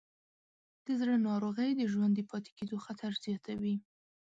د زړه ناروغۍ د ژوندي پاتې کېدو خطر زیاتوې.